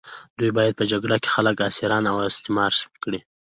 دوی باید په جګړه کې خلک اسیران او استثمار کړي.